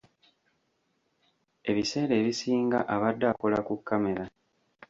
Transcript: Ebiseera ebisinga abadde akola ku kkamera.